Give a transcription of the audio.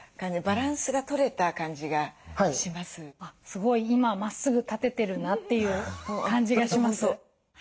すごい今まっすぐ立ててるなっていう感じがします。